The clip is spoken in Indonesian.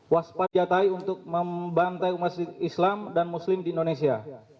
waspa jatai untuk membantai umat islam dan muslim di indonesia